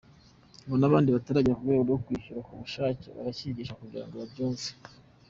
Ngo n’abandi bataragera ku rwego rwo kwishyura ku bushake baracyigishwa kugira ngo babyumve.